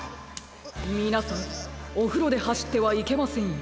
みなさんおふろではしってはいけませんよ。